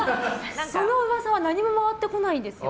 その噂は何も回ってこないんですよ。